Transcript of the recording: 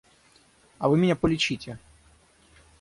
А вы меня полечите.